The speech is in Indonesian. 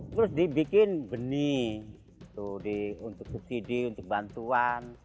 terus dibikin benih untuk subsidi untuk bantuan